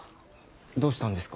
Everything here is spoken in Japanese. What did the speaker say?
どうしたんですか？